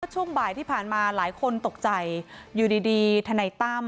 ช่วงบ่ายที่ผ่านมาหลายคนตกใจยูดีดีเทนต์ต้ำ